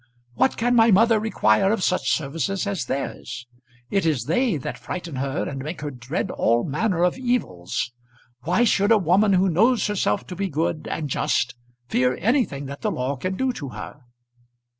What can my mother require of such services as theirs? It is they that frighten her and make her dread all manner of evils. Why should a woman who knows herself to be good and just fear anything that the law can do to her?"